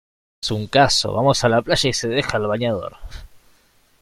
Es un caso, vamos a la playa y se deja el bañador.